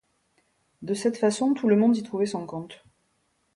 De cette façon, tout le monde y trouvait son compte.